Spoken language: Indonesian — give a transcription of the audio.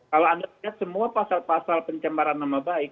kalau anda lihat semua pasal pasal pencemaran nama baik